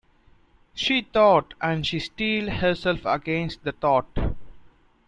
She thought; and she steeled herself against the thought.